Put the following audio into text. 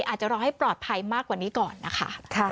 อาจจะรอให้ปลอดภัยมากกว่านี้ก่อนนะคะ